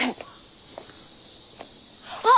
あっ！